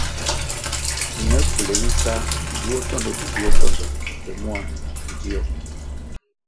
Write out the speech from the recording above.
Ñe pfule bisa duo sondo mbpi duo sondo pe mua ndzio.